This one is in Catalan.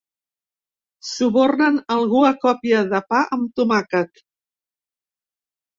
Subornen algú a còpia de pa amb tomàquet.